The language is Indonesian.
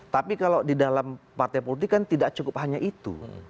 tapi kalau di dalam partai politik kan tidak cukup hanya itu